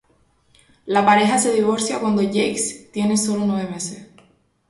La pareja se divorcia cuando Jacques tiene solo nueve meses.